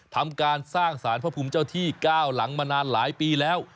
ทำการสร้างสารพระภูมิเจ้าที่ก้าวหลังมานานหลายปีแล้ว